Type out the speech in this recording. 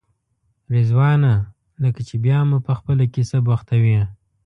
رضوانه لکه چې بیا مو په خپله کیسه بوختوې.